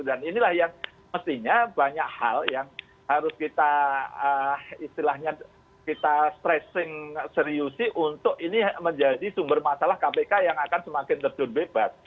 dan inilah yang mestinya banyak hal yang harus kita istilahnya kita stressing seriusi untuk ini menjadi sumber masalah kpk yang akan semakin terjun bebas